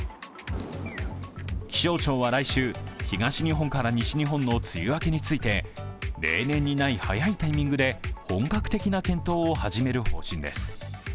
気象庁は来週、東日本から西日本の梅雨明けについて例年にない早いタイミングで本格的な検討を始める方針です。